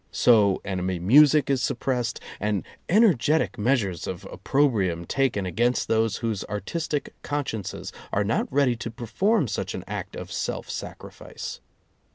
So enemy music is suppressed, and energetic measures of opprobrium taken against those whose artistic consciences are not ready to perform such an act of self sacrifice.